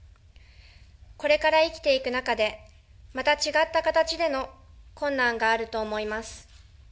これから生きていく中で、また違った形での困難があると思います。